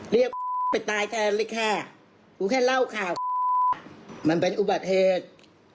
เรียกไปตายแค่เล็กแค่กูแค่เล่าข่าวมันเป็นอุบัติเหตุ